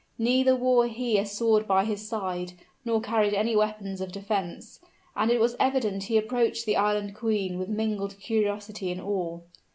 Neither wore he a sword by his side, nor carried any weapons of defense; and it was evident he approached the island queen with mingled curiosity and awe.